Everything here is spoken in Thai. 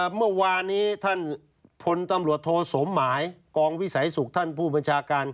เมื่อวานี้ท่านพลตำรวจโทสมหมายกองวิสัยสุขท่านผู้บัญชาการ